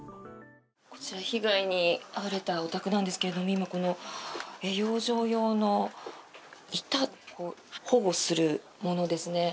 こちら被害に遭われたお宅なんですが今、この養生用の板を保護するものですね。